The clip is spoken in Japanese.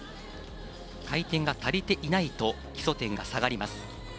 回転が足りていないと基礎点が下がります。